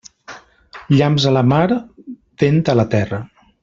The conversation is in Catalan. Llamps a la mar, vent a la terra.